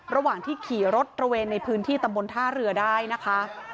ระหว่างที่ขี่รถตระเวนในพื้นที่ตำบลท่าเรือได้นะคะ